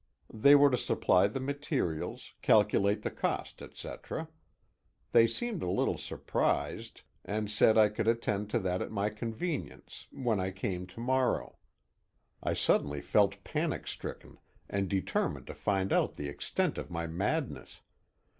They were to supply the materials, calculate the cost, etc. They seemed a little surprised, and said I could attend to that at my convenience when I came to morrow. I suddenly felt panic stricken and determined to find out the extent of my madness.